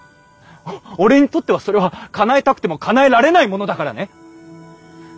俺にとってはそれはかなえたくてもかなえられないものだからね。